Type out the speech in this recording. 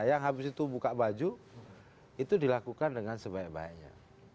yang habis itu buka baju itu dilakukan dengan sebaik baiknya